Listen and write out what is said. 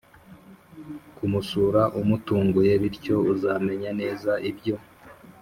kumusura umutunguye bintyo uzamenya neza ibyo